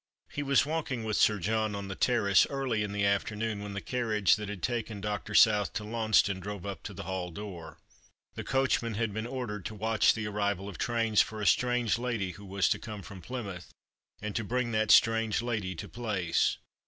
He was walking with Sir .John on the terrace early in the afternoon when the carriage that had taken Dr. South to Taunceston drove up to tlie hall door. The coachman had been ordered to watch the arrival of trains for a strange lady who was to come from Plymouth, and to 236 The Christmas Hirelings. bring that strange lady to Place.